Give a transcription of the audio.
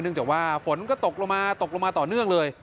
เนื่องจากว่าฝนก็ตกลงมาต่อเนื่องเลย